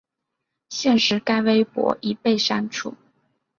现时该微博已被删除。